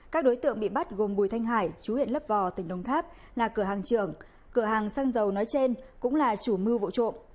các đối tượng bị bắt gồm bùi thanh hải chú huyện lấp vò tỉnh đồng tháp là cửa hàng trưởng cửa hàng xăng dầu nói trên cũng là chủ mưu vụ trộm